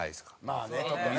まあねちょっとね。